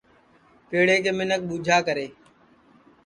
پیڑے کے منکھ ٻوجھا کرے